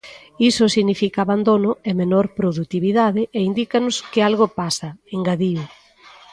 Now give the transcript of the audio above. "Iso significa abandono e menor produtividade e indícanos que algo pasa", engadiu.